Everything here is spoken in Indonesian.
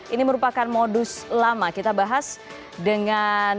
ini merupakan modus lama kita bahas dengan